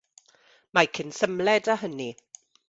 Mae cyn symled â hynny.